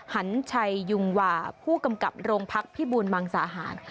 หันชัยยุงวาผู้กำกับโรงพักพิบูรมังสาหาร